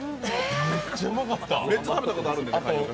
めっちゃ食べたことあるんで、昔。